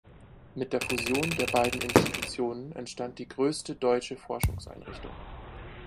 Mit der Fusion der beiden Institutionen entstand die größte deutsche Forschungseinrichtung.